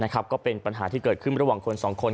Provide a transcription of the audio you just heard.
ก็เป็นปัญหาที่เกิดขึ้นระหว่างคนสองคน